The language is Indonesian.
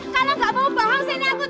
kalau enggak bawa bawa sini aku cium